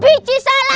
bici salak dalam kelas